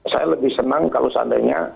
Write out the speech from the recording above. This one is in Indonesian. saya lebih senang kalau seandainya